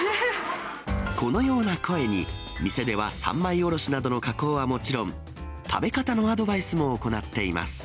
このような声に、店では三枚おろしなどの加工はもちろん、食べ方のアドバイスも行っています。